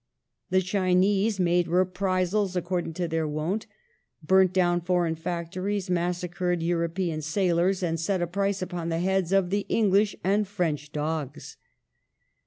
The Chinese made reprisals according to their wont ; burnt down foreign factories, massacred European sailors, and set a price upon the heads of " the English and French dogs